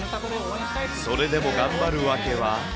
それでも頑張る訳は？